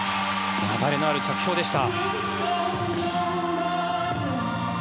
流れのある着氷でした。